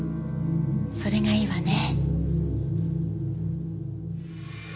それがいいわね。